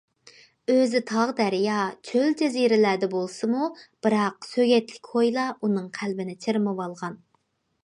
ئۆزى تاغ- دەريا، چۆل- جەزىرىلەردە بولسىمۇ، بىراق سۆگەتلىك ھويلا ئۇنىڭ قەلبىنى چىرمىۋالغان.